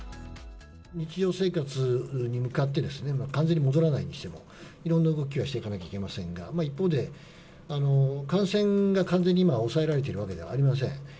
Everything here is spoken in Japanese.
日常生活に向かって、完全に戻らないにしても、いろんな動きはしていかなきゃいけませんが、一方で、感染が完全に今、抑えられているわけではありません。